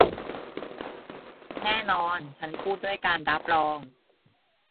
แน่นอน ฉันพูดด้วยการรับรอง